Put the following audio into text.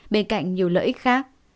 bên cạnh nhiều lợi ích khác